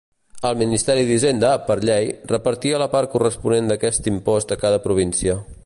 El Ministeri d'Hisenda, per llei, repartia la part corresponent d'aquest impost a cada província.